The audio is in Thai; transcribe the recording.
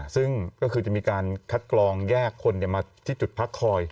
ซึ่งก็คือจะมีการคัดกรองแยกคนมาที่จุดพักคอย